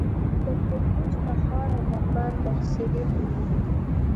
د کندوز، تخار او بغلان محصلین وو.